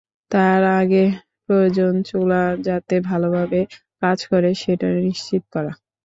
তার আগে প্রয়োজন চুলা যাতে ভালোভাবে কাজ করে, সেটা নিশ্চিত করা।